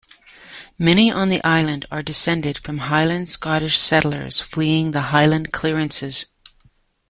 Many on the Island are descended from Highland Scottish settlers fleeing the Highland Clearances.